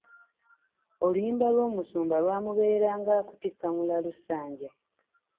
Oluyimba lw'omusumba lwamubeerera nga kutikka mulalu ssanja.